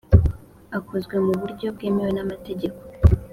akozwe mu buryo bwemewe n amategeko